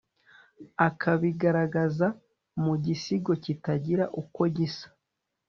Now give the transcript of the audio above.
akabigaragaza mugisigo kitagira uko gisa